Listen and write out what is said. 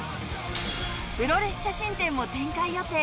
プロレス写真展も展開予定。